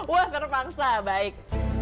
wah terpaksa baik